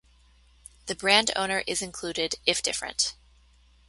The brand owner is included if different.